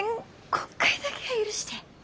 今回だけは許して。